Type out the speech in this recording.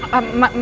mas bentar ya